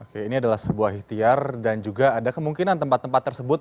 oke ini adalah sebuah ikhtiar dan juga ada kemungkinan tempat tempat tersebut